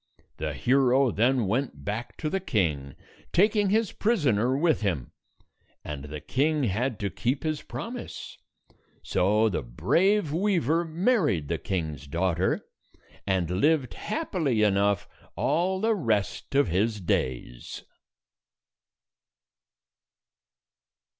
The hero then went back to the king, taking his prisoner with him ; and the king had to keep his promise. So the brave weaver married the king's daughter, and lived happily enough all the rest of his days.